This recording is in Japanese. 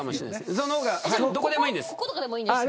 どこでもいいです。